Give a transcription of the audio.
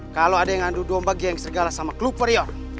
kalau ada yang ngandung domba geng sergala sama klub perior